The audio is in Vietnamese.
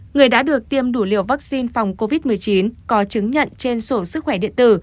người đã được tiêm đủ liều vaccine phòng covid một mươi chín có chứng nhận trên sổ sức khỏe điện tử